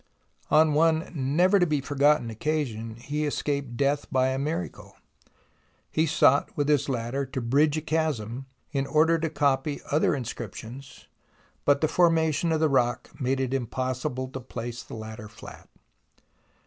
On one never to be forgotten occasion he escaped death by a miracle. He sought with his ladder to bridge a chasm in order to copy other inscrip tions, but the formation of the rock made it impossible to place the ladder fiat.